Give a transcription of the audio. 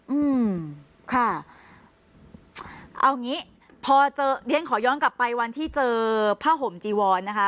อืมค่ะเอางี้พอเจอเรียนขอย้อนกลับไปวันที่เจอผ้าห่มจีวอนนะคะ